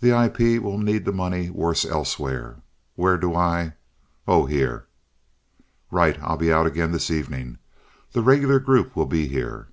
"The IP will need the money worse elsewhere. Where do I oh, here?" "Right. I'll be out again this evening. The regular group will be here?"